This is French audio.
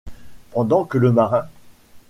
Pendant que le marin… »